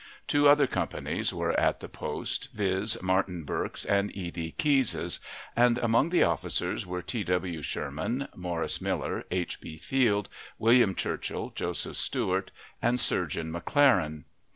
Two other companies were at the post, viz., Martin Burke's and E. D. Keyes's, and among the officers were T. W. Sherman, Morris Miller, H. B. Field, William Churchill, Joseph Stewart, and Surgeon McLaren.